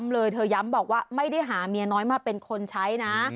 เลยเธอย้ำบอกว่าไม่ได้หาเมียน้อยมาเป็นคนใช้นะ